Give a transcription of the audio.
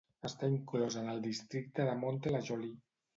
Està inclòs en el districte de Mantes-la-Jolie.